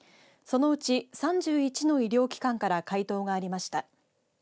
そのうち３１の医療機関から回答がありました。